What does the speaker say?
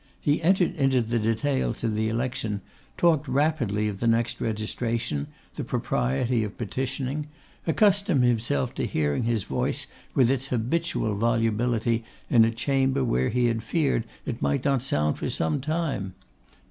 He entered into the details of the election, talked rapidly of the next registration, the propriety of petitioning; accustomed himself to hearing his voice with its habitual volubility in a chamber where he had feared it might not sound for some time.